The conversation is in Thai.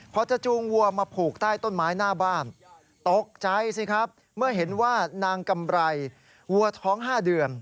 พอจะจูงวัวมาผูกใต้ต้นไม้หน้าบ้านตกใจสิครับเมื่อเห็นว่านางกำไรวัวท้อง๕เดือน